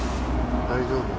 大丈夫？